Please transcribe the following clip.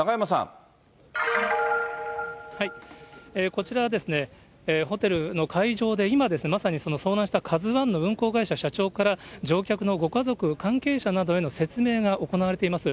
こちら、ホテルの会場で今、まさに遭難したカズワンの運航会社社長から乗客のご家族、関係者などへの説明が行われています。